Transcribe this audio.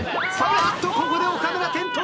あっとここで岡村転倒！